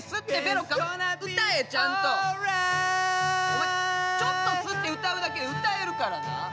お前ちょっと吸って歌うだけで歌えるからな！